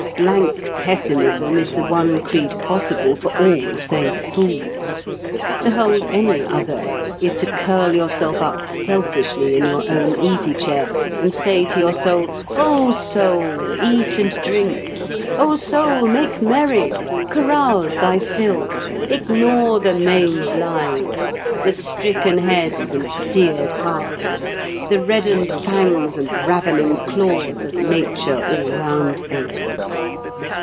Blank pessimism is the one creed possible for all save fools. To hold any other is to curl yourself up selfishly in your own easy chair, and say to your soul, "O soul, eat and drink; O soul, make merry. Carouse thy fill. Ignore the maimed lives, the stricken heads and seared hearts, the reddened fangs and ravening claws of nature all round thee."